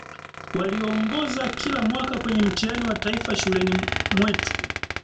walioongoza kila mwaka kwenye mtihani wa kitaifa shuleni mwetu